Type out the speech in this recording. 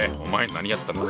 何やってんだ。